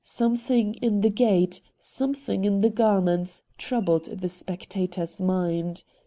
Something in the gait, something in the garments, troubled the spectator's mind.